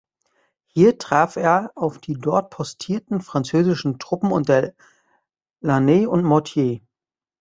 Hier traf er auf die dort postierten französischen Truppen unter Lannes und Mortier.